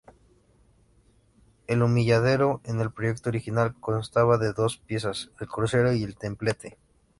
El Humilladero en el proyecto original constaba de dos piezas: el crucero y templete.